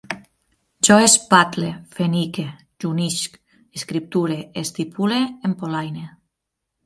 Jo espatle, fenique, junyisc, escripture, estipule, empolaine